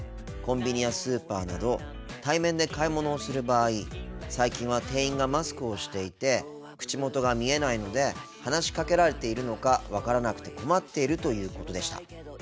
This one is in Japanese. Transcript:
コンビニやスーパーなど対面で買い物をする場合最近は店員がマスクをしていて口元が見えないので話しかけられているのか分からなくて困っているということでした。